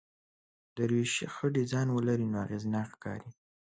دریشي ښه ډیزاین ولري نو اغېزناک ښکاري.